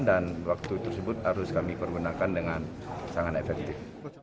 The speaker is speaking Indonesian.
dan waktu tersebut harus kami pergunakan dengan sangat efektif